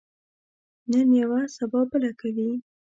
نن یوه، سبا بله کوي.